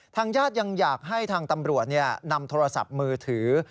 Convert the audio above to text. ทางญาติยังอยากให้ทางตำรวจนำโทรศัพท์มือถือ